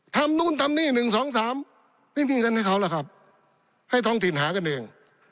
นู่นทำนี่๑๒๓ไม่มีเงินให้เขาล่ะครับให้ท้องถิ่นหากันเอง